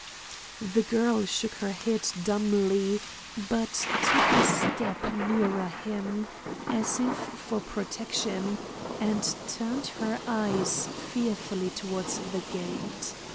The girl shook her head dumbly, but took a step nearer him, as if for protection, and turned her eyes fearfully towards the gate.